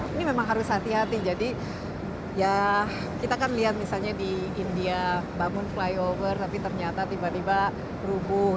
ini memang harus hati hati jadi ya kita kan lihat misalnya di india bangun flyover tapi ternyata tiba tiba rubuh